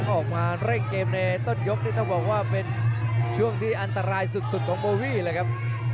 ออกมาเร่งเกมในต้นยกนี่ต้องบอกว่าเป็นช่วงที่อันตรายสุดของโบวี่เลยครับ